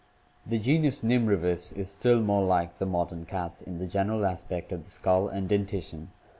The genus Nimravus (Fig. 184, C) is still more like the modern cats in the general aspect of the skull and dentition.